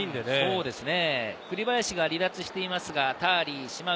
そうですよね。